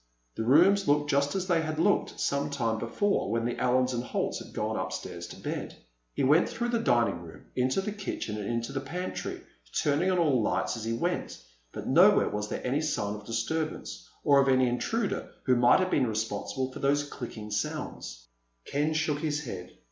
The rooms looked just as they had looked some time before, when the Allens and Holts had gone upstairs to bed. He went through the dining room, into the kitchen, and into the pantry, turning on all the lights as he went. But nowhere was there any sign of disturbance, or of an intruder who might have been responsible for those clicking sounds. Ken shook his head.